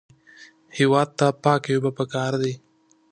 هېواد ته پاکې اوبه پکار دي